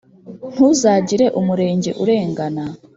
Ntuzagire umurenge urengana.